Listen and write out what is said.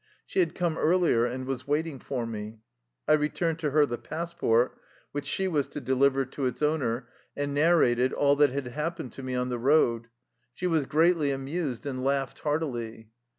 She had come earlier and was waiting for me. I returned to her the passport, which she was to deliver to its owner, and narrated all that had happened to me on the road. She was greatly amused and laughed heartily.